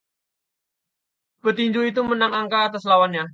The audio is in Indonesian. petinju itu menang angka atas lawannya